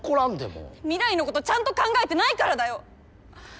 未来のことちゃんと考えてないからだよ！